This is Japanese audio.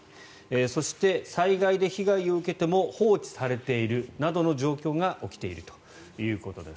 そして、災害で被害を受けても放置されているなどの状況が起きているということです。